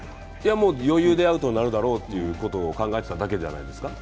もう余裕でアウトになるだろうと考えてただけじゃないですか。